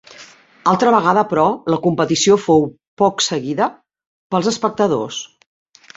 Altra vegada però, la competició fou poc seguida pels espectadors.